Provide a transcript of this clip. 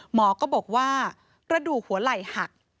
หมอก็บอกว่ากระดูกหัวไหล่หัก